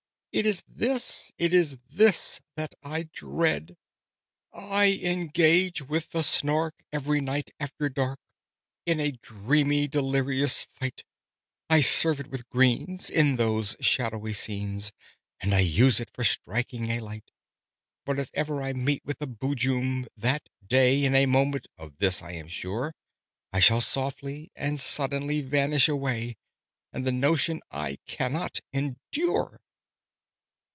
It is this, it is this that I dread! "I engage with the Snark every night after dark In a dreamy delirious fight: I serve it with greens in those shadowy scenes, And I use it for striking a light: "But if ever I meet with a Boojum, that day, In a moment (of this I am sure), I shall softly and suddenly vanish away And the notion I cannot endure!"